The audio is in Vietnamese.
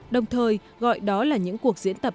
đồng thời gọi đó là những cuộc diễn tập